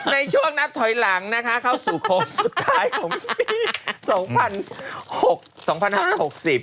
ในช่วงนับถอยหลังนะคะเข้าสู่โคมสุดท้ายของพี่